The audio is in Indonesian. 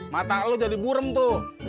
mata lo jadi burem tuh